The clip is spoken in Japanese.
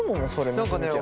何かね